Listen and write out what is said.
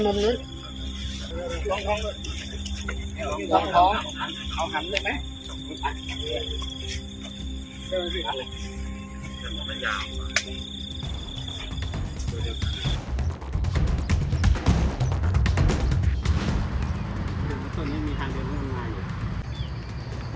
เหมือนได้คุณสาม